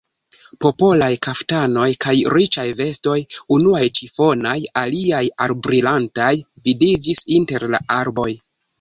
Popolaj kaftanoj kaj riĉaj vestoj, unuj ĉifonaj, aliaj orbrilantaj vidiĝis inter la arboj.